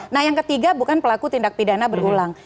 nah yang ketiga bukan pelaku tindak pidana berulang